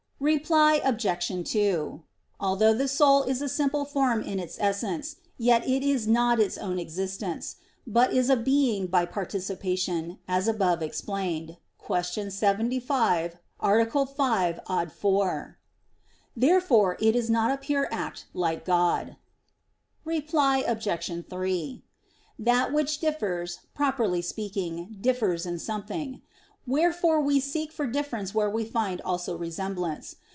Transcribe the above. Reply Obj. 2: Although the soul is a simple form in its essence, yet it is not its own existence, but is a being by participation, as above explained (Q. 75, A. 5, ad 4). Therefore it is not a pure act like God. Reply Obj. 3: That which differs, properly speaking, differs in something; wherefore we seek for difference where we find also resemblance.